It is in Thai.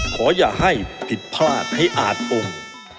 ขออย่าให้ผิดพลาดให้อาจองค์